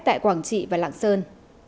tại quảng trị và lạng sơn